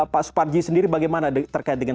pak suparji sendiri bagaimana terkait dengan